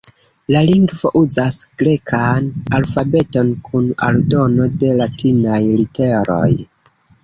La lingvo uzas grekan alfabeton kun aldono de latinaj literoj.